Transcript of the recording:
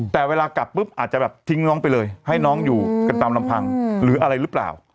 แต่เวลากลับปุ๊บอาจจะแบบทิ้งน้องไปเลยให้น้องอยู่กันตามลำพังหรืออะไรหรือเปล่า